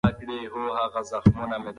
د کلي د خلګو نظري پوښتني راپور کول اړیني دي.